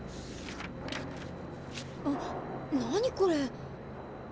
あっ何これ。